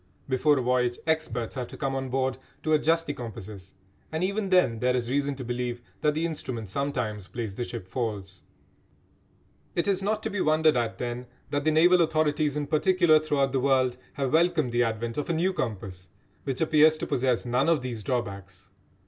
Before a voyage experts have to come on board to adjust the compasses, and even then there is reason to believe that the instrument sometimes plays the ship false. It is not to be wondered at, then, that the naval authorities in particular throughout the world have welcomed the advent of a new compass which appears to possess none of these drawbacks.